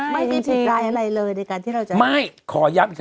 ไม่มีผิดใจอะไรเลยในการที่เราจะ